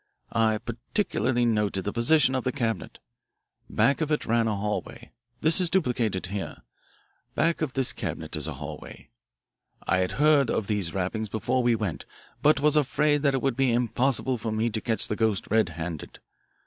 I particularly noted the position of the cabinet. Back of it ran a hallway. That is duplicated here. Back of this cabinet is a hallway. I had heard of these rappings before we went, but was afraid that it would be impossible for me to catch the ghost red handed.